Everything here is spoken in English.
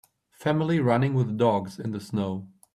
Family running with dogs in the snow.